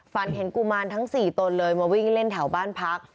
ฝันเห็นกุมารทั้ง๔ตนเลยมาวิ่งเล่นแถวบ้านพัก